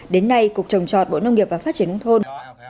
đến nay cục trồng trọt bộ nông nghiệp và phát triển nông thôn